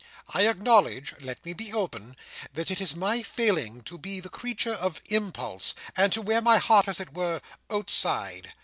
I acknowledge—let me be open—that it is my failing to be the creature of impulse, and to wear my heart as it were, outside.